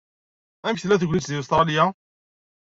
Amek tella tegnit deg Ustṛalya?